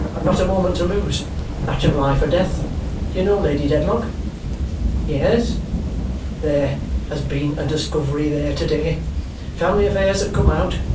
Not a moment to lose. Matter of life or death. You know Lady Dedlock?" "Yes." "There has been a discovery there to day. Family affairs have come out.